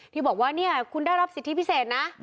ที่บอกว่าเนี่ยคุณได้รับสิทธิพิเศษนะ